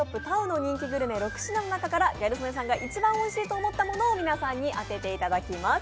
ＴＡＵの人気グルメ６品の中から、ギャル曽根さんが一番おいしいと思ったものを皆さんに当てていただきます。